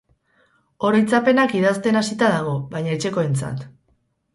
Oroitzapenak idazten hasita dago, baina etxekoentzat.